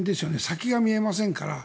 先が見えませんから。